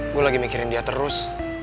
gue lagi mikirin dia terus